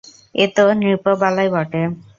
এ তো নৃপবালাই বটে!